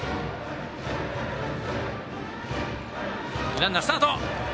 ランナー、スタート。